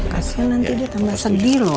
kasian nanti dia tambah sedih loh